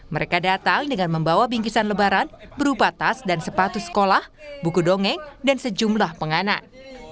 mereka datang dengan membawa bingkisan lebaran berupa tas dan sepatu sekolah buku dongeng dan sejumlah penganan